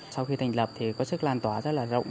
sau khi thành lập thì có sức lan tỏa rất là rộng